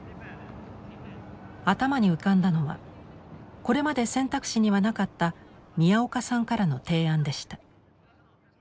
頭に浮かんだのはこれまで選択肢にはなかった宮岡さんからの提案でした。